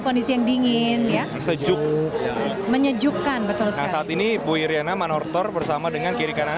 kondisi yang dingin ya sejuk menyejukkan betul nah saat ini bu iryana manortor bersama dengan kiri kanan